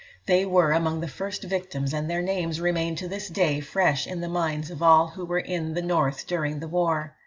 They were among the first victims, and their names remain to this day fresh in the minds of all who were in the North during the war.